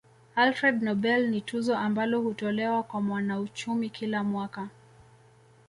Alfred Nobel ni tuzo ambayo hutolewa kwa mwanauchumi kila mwaka